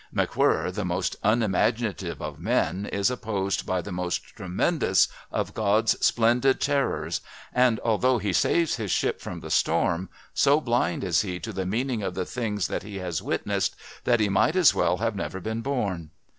McWhirr, the most unimaginative of men, is opposed by the most tremendous of God's splendid terrors and, although he saves his ship from the storm, so blind is he to the meaning of the things that he has witnessed that he might as well have never been born.